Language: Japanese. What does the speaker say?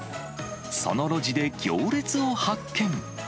その路地で行列を発見。